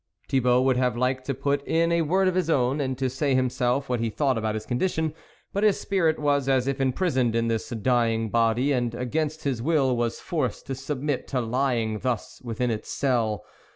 Thibault would have liked to put in a word of his own, and to say himself what he thought about his condition, but his spirit was as if imprisoned in this dying body, and, against his will, was forced to submit to lying thus within its cell.